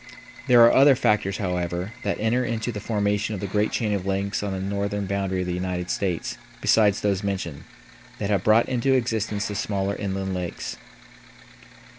There are other factors, however, that enter into the formation of the great chain of lakes on the northern boundary of the United States besides those mentioned, that have brought into existence the smaller inland lakes.